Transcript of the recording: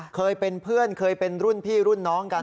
เคยเป็นเพื่อนเคยเป็นรุ่นพี่รุ่นน้องกัน